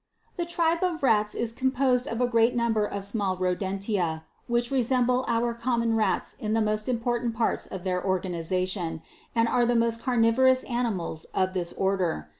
25. The tribe of Rats is composed of a great number of small Rodentia which resemble our common rats in the most impor tant parts of their organization, and are the most carnivorous animals of this order.